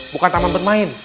bukan taman bermain